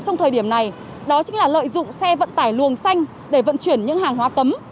trong thời điểm này đó chính là lợi dụng xe vận tải luồng xanh để vận chuyển những hàng hóa cấm